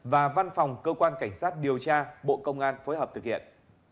và văn phòng cơ quan cảnh sát điều tra bộ công an phối hợp thực hiện